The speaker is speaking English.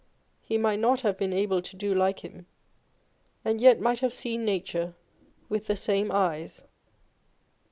He might not have been able to do like him, and yet might have seen nature with the same eyes.